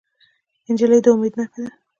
نجلۍ د امید نښه ده.